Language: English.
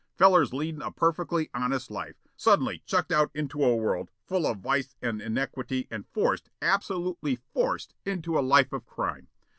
Fellers leadin' a perfectly honest life suddenly chucked out into a world full of vice and iniquity and forced absolutely forced, into a life of crime.